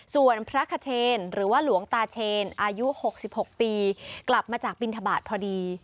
ส่วนพระคเชนหรือว่าหลวงตาเชนอายุ๖๖ปีกลับมาจากบินทบาทพอดี